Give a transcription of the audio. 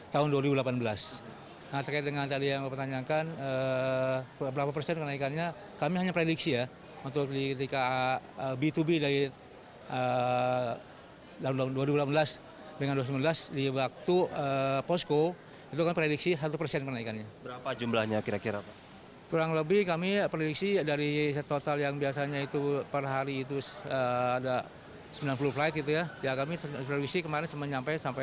kondisi ini pun dikeluhkan oleh penumpang